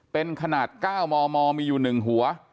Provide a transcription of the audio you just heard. เป็นขนาด๙มมมีอยู่๑หัว